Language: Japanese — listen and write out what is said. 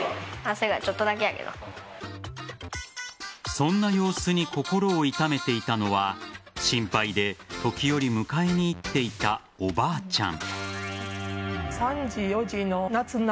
そんな様子に心を痛めていたのは心配で、時折迎えに行っていたおばあちゃん。